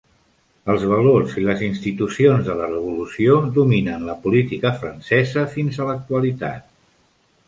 Els valors i les institucions de la Revolució dominen la política francesa fins a l'actualitat.